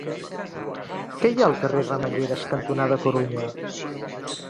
Què hi ha al carrer Ramelleres cantonada Corunya?